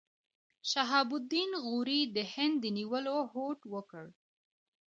شهاب الدین غوري د هند د نیولو هوډ وکړ.